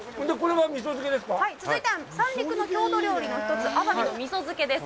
はい、続いては、三陸の郷土料理の１つ、アワビの味噌漬けです。